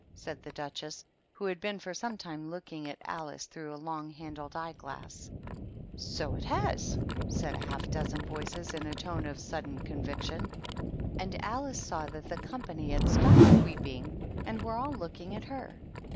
said the Duchess, who had been for some time looking at Alice through a long handled eye glass. " So it has r^ said half a dozen voices, in a tone of sudden conviction, and Alice saw that the company had stopped weeping and were all look ing at her.